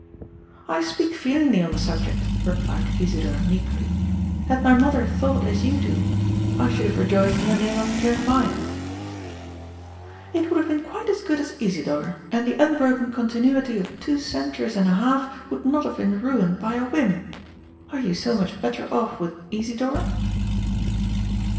" I speak feelingly on the subject," replied Isidor meekly. ^^ Had my mother thought as you do, I should have rejoiced in the name of * Jeremiah.' "^^ It would have been quite as good as Isidor, and the unbroken continuity of two centuries and a half would not have been ruined by a whim. Are you so much better off with ' Isidor